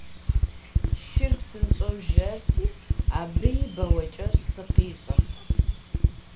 Шыр псынщӀэу жэрти, абыи бауэкӀэщӀ сыкъищӀырт.